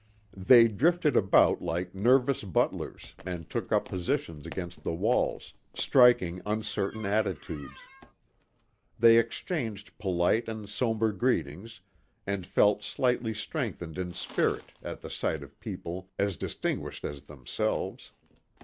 They drifted about like nervous butlers and took up positions against the walls, striking uncertain attitudes. They exchanged polite and sober greetings and felt slightly strengthened in spirit at the sight of people as distinguished as themselves.